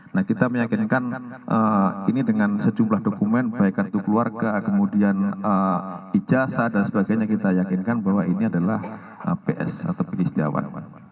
nah kita meyakinkan ini dengan sejumlah dokumen baik kartu keluarga kemudian ijazah dan sebagainya kita yakinkan bahwa ini adalah ps atau pd istiawan